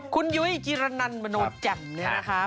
คุณยุ้ยจิรนันมโนแจ่มเนี่ยนะคะ